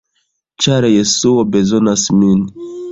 ĉar Jesuo bezonas min.